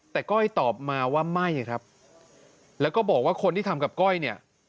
แต่ก้อยตอบมาว่าไม่ครับแล้วก็บอกว่าคนที่ทำกับก้อยเนี่ย